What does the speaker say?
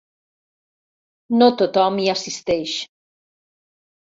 No tothom hi assisteix.